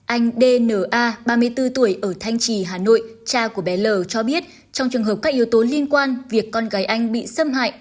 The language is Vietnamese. anh dna ba mươi bốn tuổi ở thanh trì hà nội cha của bé l cho biết trong trường hợp các yếu tố liên quan việc con gái anh bị xâm hại